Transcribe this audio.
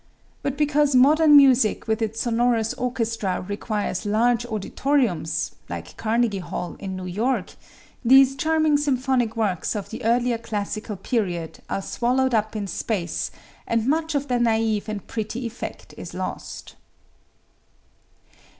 But because modern music with its sonorous orchestra requires large auditoriums, like Carnegie Hall in New York, these charming symphonic works of the earlier classical period are swallowed up in space and much of their naive and pretty effect is lost.